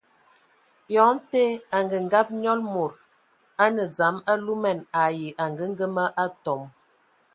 Eyɔŋ tə, angəngab nyɔl mod a nə dzam alumɛn ai angəgəma atɔm.